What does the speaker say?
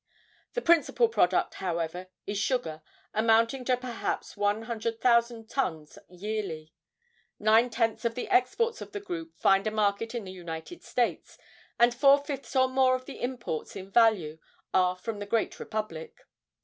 The principal product, however, is sugar, amounting to perhaps one hundred thousand tons yearly. Nine tenths of the exports of the group find a market in the United States, and four fifths or more of the imports in value are from the great Republic.